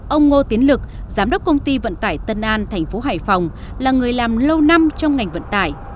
ông ngô tiến lực giám đốc công ty vận tải tân an thành phố hải phòng là người làm lâu năm trong ngành vận tải